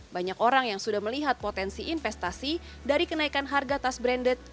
banyak orang yang sudah melihat potensi investasi dari kenaikan harga tas branded